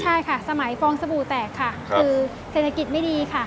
ใช่ค่ะสมัยฟองสบู่แตกค่ะคือเศรษฐกิจไม่ดีค่ะ